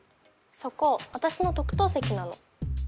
そこ私の特等席なの。